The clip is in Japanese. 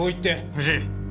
藤井！